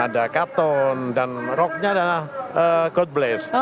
ada karton dan rock nya adalah god bless